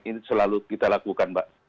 ini selalu kita lakukan mbak